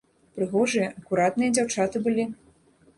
Прыгожыя, акуратныя дзяўчаты былі.